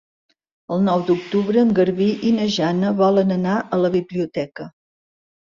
El nou d'octubre en Garbí i na Jana volen anar a la biblioteca.